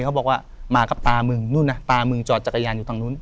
เขาบอกว่ามากับตามึงนู่นนะตามึงจอดจักรยานอยู่ทางนู้น